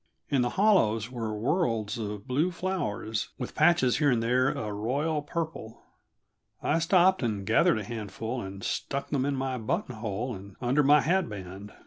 In the hollows were worlds of blue flowers, with patches here and there a royal purple. I stopped and gathered a handful and stuck them in my buttonhole and under my hatband.